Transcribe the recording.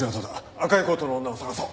赤いコートの女を捜そう。